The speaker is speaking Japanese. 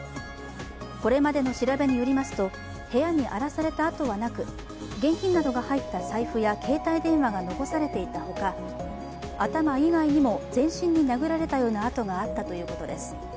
これまでの調べによりますと部屋に荒らされたあとはなく現金などが入った財布や携帯電話が残されていたほか頭以外にも全身に殴られたような痕があったということです。